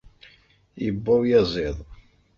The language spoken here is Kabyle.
Yewwa uyaziḍ.